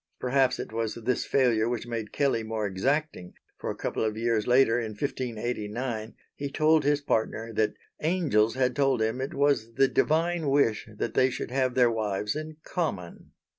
Perhaps it was this failure which made Kelley more exacting, for a couple of years later in 1589, he told his partner that angels had told him it was the divine wish that they should have their wives in common.